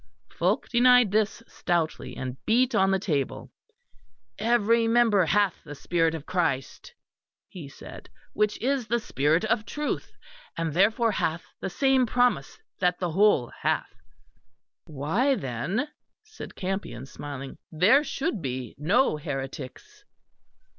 Fulke denied this stoutly, and beat on the table. "Every member hath the spirit of Christ," he said, "which is the spirit of truth; and therefore hath the same promise that the whole hath." "Why, then," said Campion, smiling, "there should be no heretics."